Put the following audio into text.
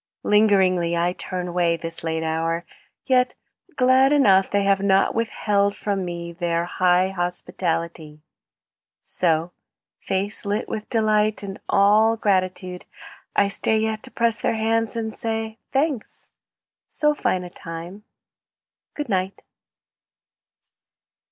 Lingeringly I turn away, This late hour, yet glad enough They have not withheld from me Their high hospitality. So, with face lit with delight And all gratitude, I stay Yet to press their hands and say, "Thanks. So fine a time ! Good night.